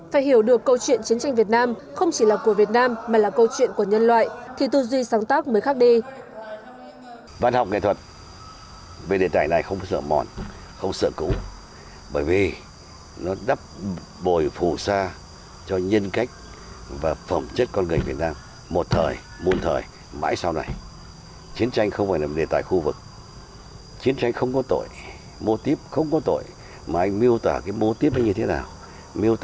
phải hiểu được câu chuyện chiến tranh việt nam không chỉ là của việt nam mà là câu chuyện của nhân loại thì tư duy sáng tác mới khác đi